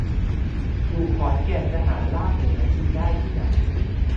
อยู่ขอนแก่นจะหาลาบเหนือกินได้ที่ไหน